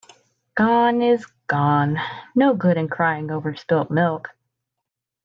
Gone is gone. No good in crying over spilt milk.